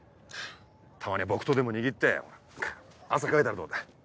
たまには木刀でも握って汗かいたらどうだ？